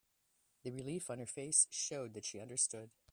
The relief on her face showed that she understood.